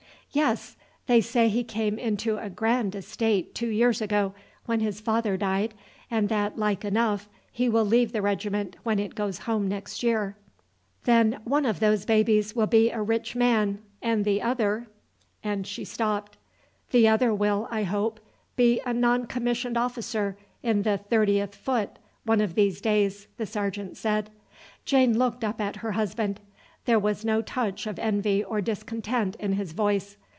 "Yes; they say he came into a grand estate two years ago when his father died, and that like enough he will leave the regiment when it goes home next year." "Then one of those babies will be a rich man, and the other " and she stopped. "The other will, I hope, be a non commissioned officer in the 30th Foot one of these days," the sergeant said. Jane looked up at her husband. There was no touch of envy or discontent in his voice.